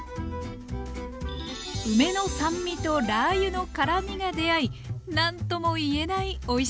梅の酸味とラー油の辛みが出会い何ともいえないおいしさです。